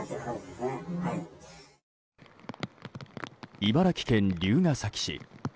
茨城県龍ケ崎市。